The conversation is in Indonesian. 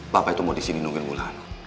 papa itu mau disini nungguin ulan